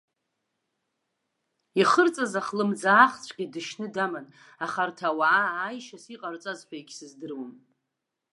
Ихырҵаз ахлымӡаах цәгьа дышьны даман, аха арҭ ауаа ааишьас иҟарҵаз ҳәа егьсыздыруам.